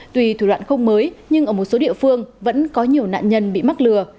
tùy thủ đoạn không mới nhưng ở một số địa phương vẫn có nhiều nạn nhân bị mắc lừa